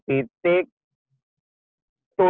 tuh tanjakannya itu dua puluh tiga